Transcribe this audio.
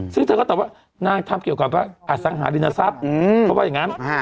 ซึ่งเธอก็ตอบว่างานทำเกี่ยวกับอสังหารินุทัศน์เค้าว่ายังงาน